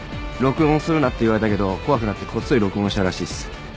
録音するなって言われたけど怖くなってこっそり録音したらしいっす。